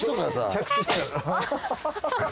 着地した。